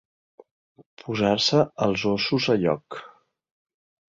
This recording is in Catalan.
Posar-se els ossos a lloc.